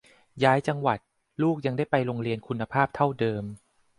ย้ายจังหวัด ลูกยังได้ไปโรงเรียนคุณภาพเท่าเดิม